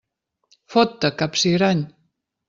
Fot-te, capsigrany!